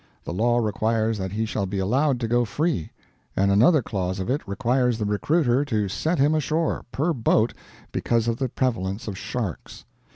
The law requires that he shall be allowed to go free; and another clause of it requires the recruiter to set him ashore per boat, because of the prevalence of sharks.